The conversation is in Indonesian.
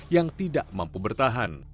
yang tidak mampu bertahan